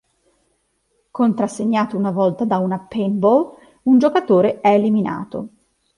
Contrassegnato una volta da una "paintball", un giocatore è eliminato.